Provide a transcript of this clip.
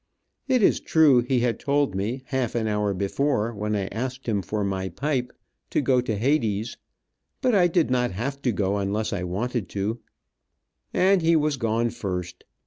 It is true he had told me, half an hour before, when I asked him for my pipe, to go to hades, but I did not have to go unless I wanted to. And he was gone first.